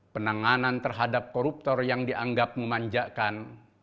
penanganan terhadap koruptor yang dianggap memanjakan